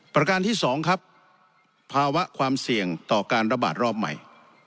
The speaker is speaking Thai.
ประการที่๒ครับภาวะความเสี่ยงต่อการระบาดรอบใหม่